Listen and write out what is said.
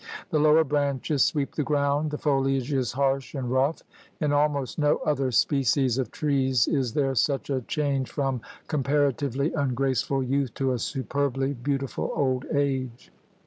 The lower branches sweep the ground. The foliage is harsh and rough. In almost no other species of trees is there such a change from comparatively ungraceful youth to a superbly beautiful old age.